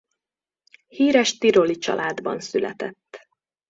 Híres tiroli családban született.